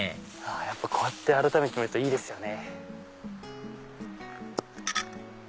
こうやって改めて見るといいですよね。